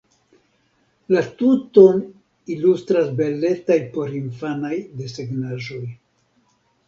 La tuton ilustras beletaj porinfanaj desegnaĵoj.